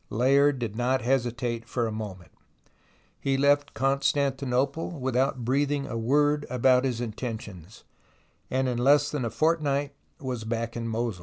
Layard did not hesitate for a moment. He left Constantinople without breathing a word about his intentions, and in less than a fortnight was back in Mosul.